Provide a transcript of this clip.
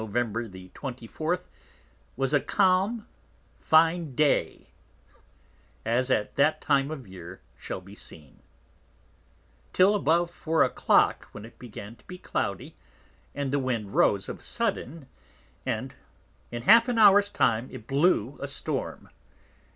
_ the 24_th_ was a calm fine Day as at that time of Year shall be seen; till above Four a Clock, when it began to be Cloudy, and the Wind rose of a sudden, and in half an Hours Time it blew a Storm.